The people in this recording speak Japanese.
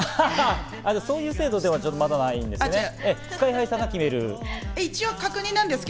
そういう制度では、またないんですね。